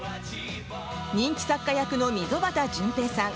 人気作家役の溝端淳平さん